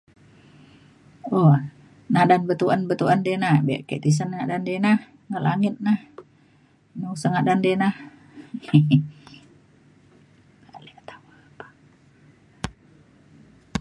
um ngadan betuen betuen di na be ke tisen ngadan di na nga langit na. nusa ngadan di na.